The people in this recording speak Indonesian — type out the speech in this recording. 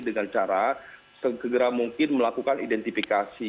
dengan cara segera mungkin melakukan identifikasi